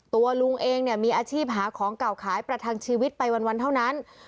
ตัวลุงเองเนี่ยมีอาชีพหาของเก่าขายประทังชีวิตไปวันเท่านั้น